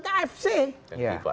dan viva ya